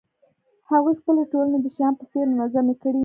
هغوی خپلې ټولنې د شیام په څېر منظمې کړې